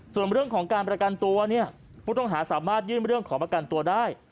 ส่วนเรื่องของการประกันตัวเนี่ยผู้ต้องหาสามารถยื่นเรื่องขอประกันตัวได้